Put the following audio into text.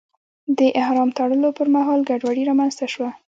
د احرام تړلو پر مهال ګډوډي رامنځته شوه.